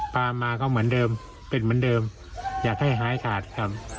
พามาก็เหมือนเดิมเป็นเหมือนเดิมอยากให้หายขาดครับ